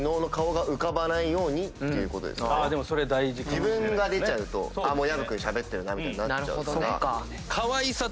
自分が出ちゃうと薮君しゃべってるなみたいになっちゃうから。